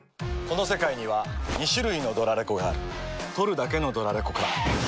この世界には２種類のドラレコがある録るだけのドラレコか・ガシャン！